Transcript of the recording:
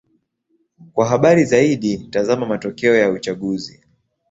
Kwa habari zaidi: tazama matokeo ya uchaguzi.